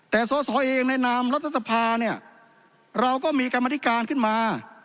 แต่สอบสอบเองในนามรัฐศพาเราก็มีกรรมนิการขึ้นมา